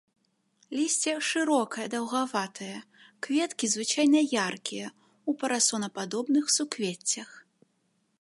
Лісце шырокае даўгаватае, кветкі звычайна яркія, у парасонападобных суквеццях.